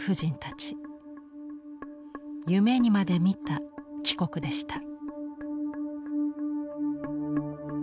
夢にまで見た帰国でした。